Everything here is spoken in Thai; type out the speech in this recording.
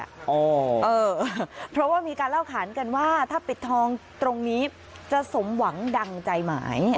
เพราะว่ามีการเล่าขานกันว่าถ้าปิดทองตรงนี้จะสมหวังดังใจหมาย